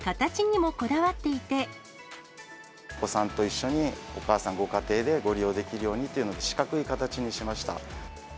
お子さんと一緒に、お母さん、ご家庭でご利用できるようにということで四角い形にしました。